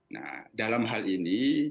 nah dalam hal ini